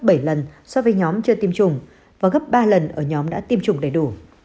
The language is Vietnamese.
gấp bảy lần so với nhóm chưa tiêm chủng và gấp ba lần ở nhóm đã tiêm chủng đầy đủ